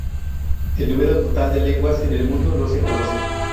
El número total de lenguas en el mundo no se conoce.